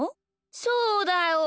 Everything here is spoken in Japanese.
そうだよ！